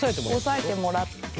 押さえてもらって。